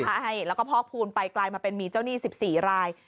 ใช่แล้วก็พอกภูมิไปกลายมาเป็นมีเจ้าหนี้๑๔ราย